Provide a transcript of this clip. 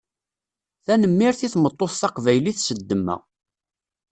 Tanemmirt i tmeṭṭut taqbaylit s demma.